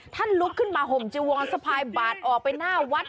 ลุกขึ้นมาห่มจีวอนสะพายบาทออกไปหน้าวัด